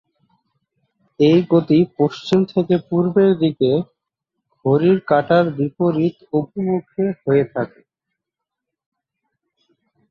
এই গতি পশ্চিম থেকে পূর্বের দিকে ঘড়ির কাঁটার বিপরীত অভিমুখে হয়ে থাকে।